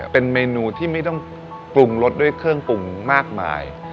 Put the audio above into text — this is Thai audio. เป็นเมนูที่ไม่ต้องปรุงรสด้วยเครื่องปรุงมากมาย